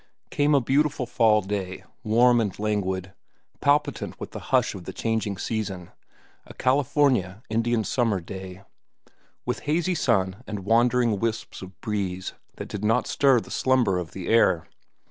Came a beautiful fall day, warm and languid, palpitant with the hush of the changing season, a California Indian summer day, with hazy sun and wandering wisps of breeze that did not stir the slumber of the air.